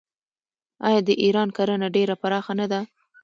آیا د ایران کرنه ډیره پراخه نه ده؟